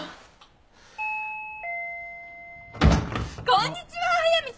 ・こんにちは速見さ。